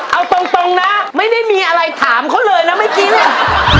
เอาตรงนะไม่ได้มีอะไรถามเขาเลยนะเมื่อกี้เนี่ย